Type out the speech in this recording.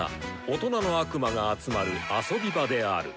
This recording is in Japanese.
大人の悪魔が集まる遊び場である。